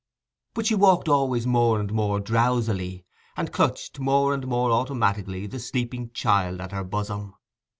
But she walked always more and more drowsily, and clutched more and more automatically the sleeping child at her bosom.